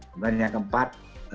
kemudian yang keempat